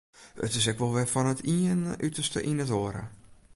It is ek wol wer fan it iene uterste yn it oare.